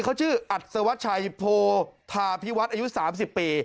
เขาชื่ออัศวัชชัยโพธาพิวัฒน์อายุ๓๐ปี